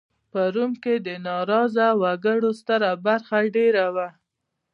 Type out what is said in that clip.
په روم کې د ناراضه وګړو ستره برخه دېره وه